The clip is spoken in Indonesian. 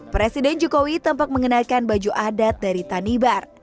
presiden jokowi tampak mengenakan baju adat dari tanibar